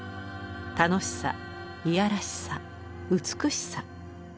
楽しさいやらしさ美しさ。